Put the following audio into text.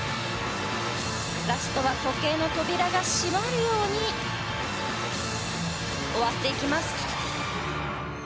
ラストは時計の扉が閉まるように終わっていきます。